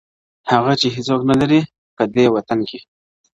o هغه چي هيڅوک نه لري په دې وطن کي.